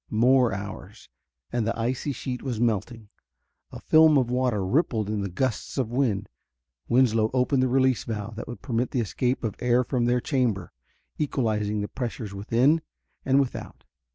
More hours, and the icy sheet was melting. A film of water rippled in the gusts of wind. Winslow opened the release valve that would permit the escape of air from their chamber, equalizing the pressures within and without.